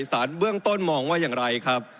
สารเบื้องต้นมองว่าอย่างไรครับ